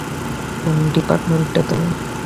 কোন ডিপার্টমেন্টে তুমি?